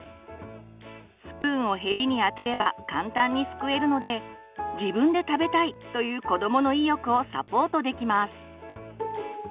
スプーンをヘリに当てれば簡単にすくえるので「自分で食べたい」という子どもの意欲をサポートできます。